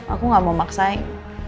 aku gak mau maksain